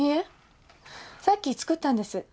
さっき作ったんです。